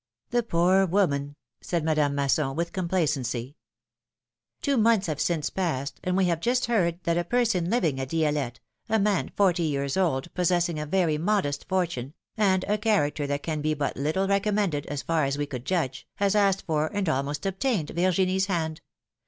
The poor Avoman !" said Madame Masson, Avith com placency. Tavo months have since passed, and we ha\^e just heard that a person living at Di^lette, a man forty years old, possessing a veVy modest fortune, and a character that can be but little recommended, as far as Ave could judge, has asked for, and almost obtained, Virginie's hand.